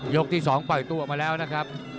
ที่๒ปล่อยตัวออกมาแล้วนะครับ